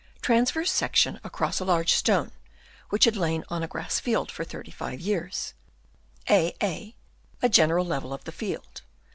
Transverse section across a large stone, which had lain on a grass field for 35 years. A A, general level of the field.